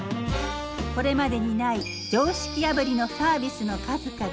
これまでにない常識破りのサービスの数々。